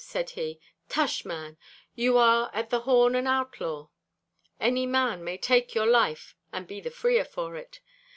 said he. 'Tush, man! you are at the horn and outlaw. Any man may take your life and be the freer for it.